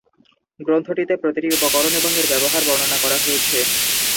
গ্রন্থটিতে প্রতিটি উপকরণ এবং এর ব্যবহার বর্ণনা করা হয়েছে।